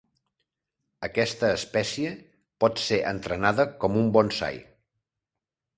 Aquesta espècie pot ser entrenada com un bonsai.